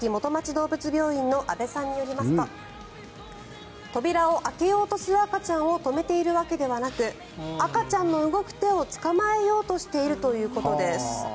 どうぶつ病院の阿部さんによりますと扉を開けようとする赤ちゃんを止めているわけではなく赤ちゃんの動く手を捕まえようとしているということです。